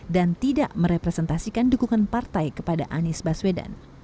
dan tidak merepresentasikan dukungan partai kepada anies baswedan